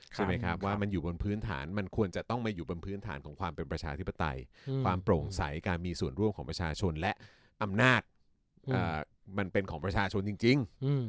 ใช่ไหมครับว่ามันอยู่บนพื้นฐานมันควรจะต้องมาอยู่บนพื้นฐานของความเป็นประชาธิปไตยความโปร่งใสการมีส่วนร่วมของประชาชนและอำนาจมันเป็นของประชาชนจริง